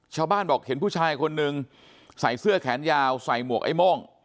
ชาวบ้านบอกเห็นผู้ชายคนนึงใส่เสื้อแขนยาวใส่หมวกไอ้โม่ง